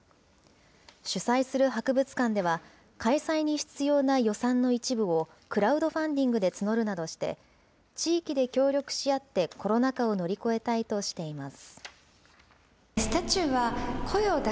主催する博物館では、開催に必要な予算の一部を、クラウドファンディングで募るなどして、地域で協力し合って、コロナ禍を乗り越えたいとしています。